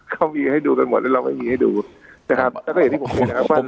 เขามีให้ดูกันหมดแล้วเราก็มีให้ดูนะครับแล้วก็เห็นที่ผมคิดนะครับ